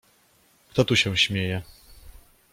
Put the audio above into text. — Kto tu się śmieje?